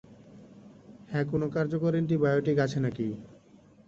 হ্যাঁ কোনো কার্যকর এন্টিবায়োটিক আছে নাকি?